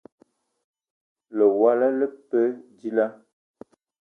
Lewela le pe dilaah?